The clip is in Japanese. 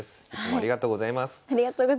ありがとうございます。